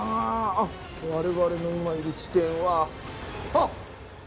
あっ我々の今いる地点はあっ！